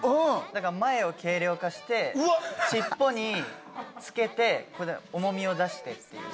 だから前を軽量化して、尻尾につけて重みを出してっていう。